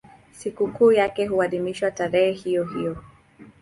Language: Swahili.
Sikukuu yake huadhimishwa tarehe hiyohiyo.